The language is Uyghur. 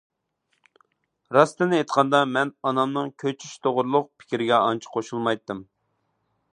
راستىنى ئېيتقاندا مەن ئانامنىڭ كۆچۈش توغرىلىق پىكرىگە ئانچە قوشۇلمايتتىم.